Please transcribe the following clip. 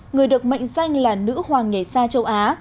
người được mệnh danh là nữ hoàng nhảy xa châu á